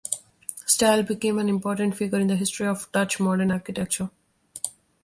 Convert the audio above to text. Staal became an important figure in the history of Dutch modern architecture.